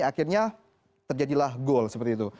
akhirnya terjadilah goal seperti itu